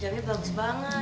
jamnya bagus banget